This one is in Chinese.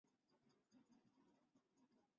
他的政治教父是后来的德国共产党国会议员。